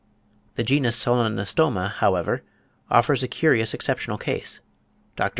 The genus Solenostoma, however, offers a curious exceptional case (40. Dr.